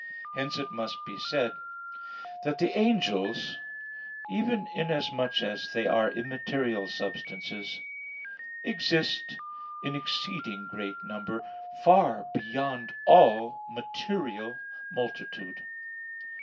Hence it must be said that the angels, even inasmuch as they are immaterial substances, exist in exceeding great number, far beyond all material multitude.